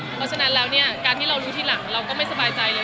เพราะฉะนั้นแล้วเนี่ยการที่เรารู้ทีหลังเราก็ไม่สบายใจเลย